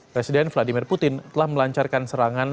presiden vladimir putin telah melancarkan serangan